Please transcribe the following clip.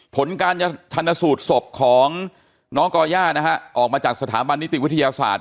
ผลการชนสูตรศพของน้องก่อย่านะฮะออกมาจากสถาบันนิติวิทยาศาสตร์